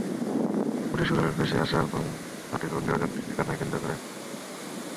গল্পটির শুরু নদীজলে ভেসে আসা পাতিলবন্দী অজানা শিশুর কান্নাকে কেন্দ্র করে।